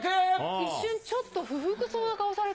一瞬ちょっと不服そうな顔さ